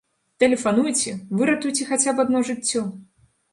Тэлефануйце, выратуйце хаця б адно жыццё!